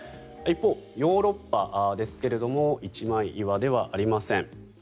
一方、ヨーロッパですが一枚岩ではありません。